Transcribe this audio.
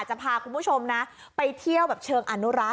จะพาคุณผู้ชมนะไปเที่ยวแบบเชิงอนุรักษ